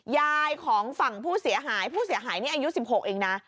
ยายของฝั่งผู้เสียหายผู้เสียหายนี่อายุ๑๖เองนะ